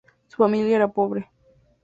Su familia era pobre.